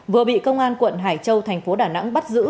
vừa bị công an quận hải châu thành phố đà nẵng bắt giữ